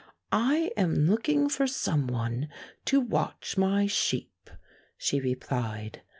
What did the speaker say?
"I am looking for some one to watch my sheep," she replied.